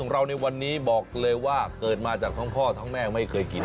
เราในวันนี้บอกเลยว่าเกิดมาจากทั้งพ่อทั้งแม่ไม่เคยกิน